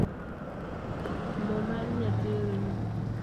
Mo mar nyathi orumo